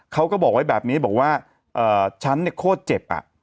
เขาก็บอกไว้แบบนี้บอกว่าฉันเนี่ยโคตรเจ็บ